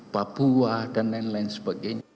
papua dan lain lain sebagainya